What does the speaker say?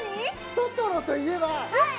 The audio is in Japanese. トトロといえば？